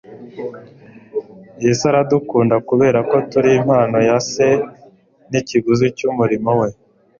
Yesu aradukunda kubera ko turi impano ya Se n'ikiguzi cy'umurimo we.